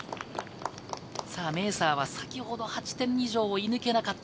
メーサーは先ほど８点以上を射抜いてなかった。